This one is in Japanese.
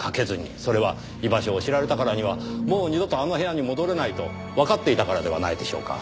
それは居場所を知られたからにはもう二度とあの部屋に戻れないとわかっていたからではないでしょうか。